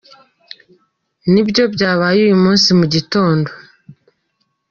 Nibyo byabaye uyu munsi mu gitondo.”